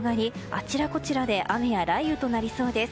あちらこちらで雨や雷雨となりそうです。